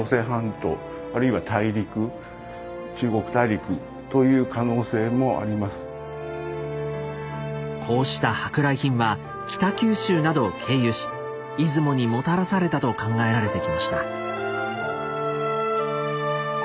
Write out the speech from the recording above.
あるいは大陸こうした舶来品は北九州などを経由し出雲にもたらされたと考えられてきました。